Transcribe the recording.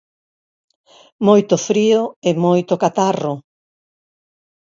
Moito frío e moito catarro.